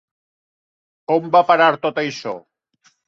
On va a parar tot això?